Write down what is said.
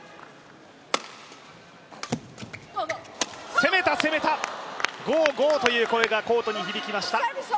攻めた、攻めた、ゴーゴーという声がコートに響きました。